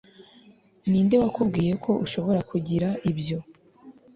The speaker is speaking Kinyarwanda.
Ninde wakubwiye ko ushobora kugira ibyo